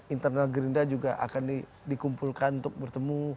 internal gerindra juga akan dikumpulkan untuk bertemu